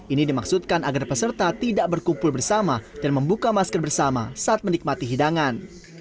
ini dimaksudkan agar peserta tidak berkumpul bersama dan membuka masker bersama saat menikmati hidangan